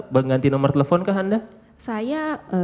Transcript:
mengganti nomor telepon ke anda saya